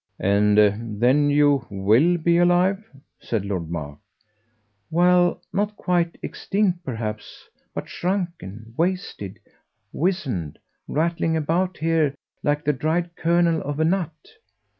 "Ah then you WILL be alive," said Lord Mark. "Well, not quite extinct perhaps, but shrunken, wasted, wizened; rattling about here like the dried kernel of a nut."